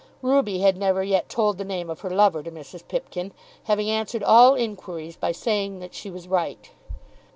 Ruby had never yet told the name of her lover to Mrs. Pipkin, having answered all inquiries by saying that she was all right.